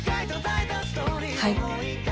はい。